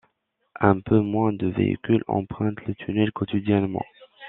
Un peu moins de véhicules empruntent le tunnel quotidiennement.